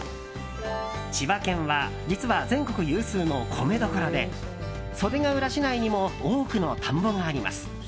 千葉県は実は全国有数の米どころで袖ケ浦市内にも多くの田んぼがあります。